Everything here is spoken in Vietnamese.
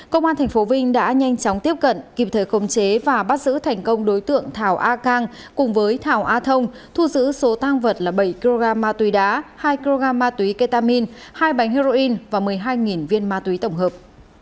công an tp vinh đã nhanh chóng tiếp cận kịp thời khống chế và bắt giữ thành công đối tượng thảo a cang cùng với thảo a thông thu giữ số tang vật là bảy kg ma túy đá hai kg ma túy ketamin hai bánh heroin và một mươi hai viên ma túy tổng hợp